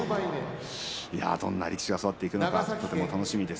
どんな力士が育っていくのかとても楽しみです。